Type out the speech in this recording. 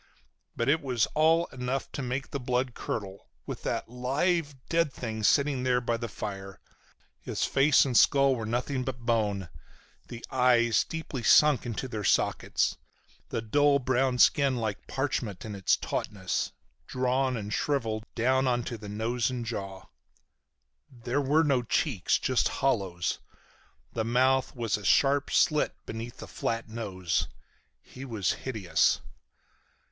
But it was all enough to make the blood curdle, with that live, dead thing sitting there by our fire. His face and skull were nothing but bone, the eyes deeply sunk into their sockets, the dull brown skin like parchment in its tautness, drawn and shriveled down onto the nose and jaw. There were no cheeks. Just hollows. The mouth was a sharp slit beneath the flat nose. He was hideous.